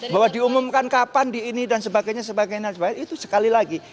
bahwa diumumkan kapan di ini dan sebagainya sebagainya itu sekali lagi